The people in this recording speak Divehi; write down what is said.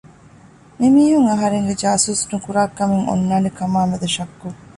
މި މީހުން އަހަރެންގެ ޖާސޫސް ނުކުރާ ކަމެއް އޮންނާނެ ކަމާއި މެދު ޝައްއް